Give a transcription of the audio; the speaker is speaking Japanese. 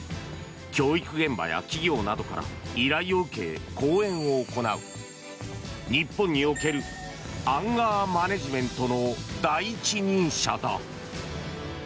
教育現場や企業などから依頼を受け、講演を行う日本におけるアンガーマネジメントの第一人者だ。